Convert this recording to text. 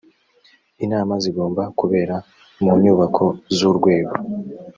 inama zigomba kubera mu nyubako z urwego